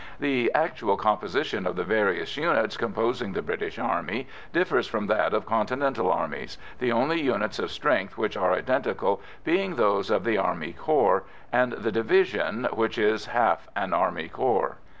The actual composition of the various units composing the British Army differs from that of continental armies, the only units of strength which are identical being those of the army corps, and the division, which is half an army corps.